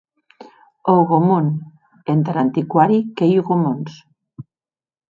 Hougomont entar antiquari qu’ei Hugomons.